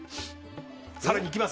更にいきます？